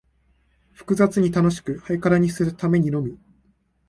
複雑に楽しく、ハイカラにするためにのみ、